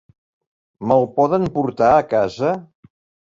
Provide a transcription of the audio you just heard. Me'l poden portar a casa?